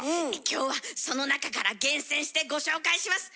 今日はその中から厳選してご紹介します。